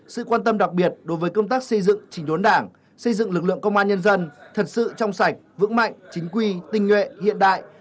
sự quan tâm đặc biệt đối với công tác xây dựng chỉnh đốn đảng xây dựng lực lượng công an nhân dân thật sự trong sạch vững mạnh chính quy tinh nguyện hiện đại